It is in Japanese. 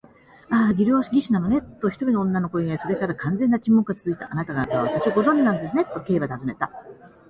「ああ、測量技師なのね」と、一人の女の声がいい、それから完全な沈黙がつづいた。「あなたがたは私をご存じなんですね？」と、Ｋ はたずねた。